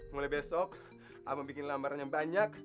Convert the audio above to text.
mulai besok abang bikin lamaran yang banyak